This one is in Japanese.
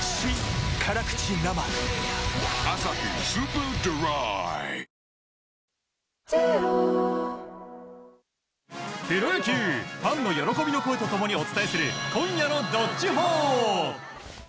プロ野球、ファンの喜びの声と共にお伝えする今夜の「＃どっちほー」。